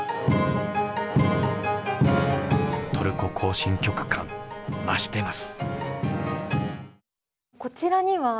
「トルコ行進曲」感増してます。